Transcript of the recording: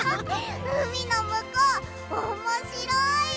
うみのむこうおもしろい！